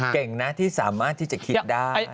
เก่งนะที่สามารถที่จะคิดได้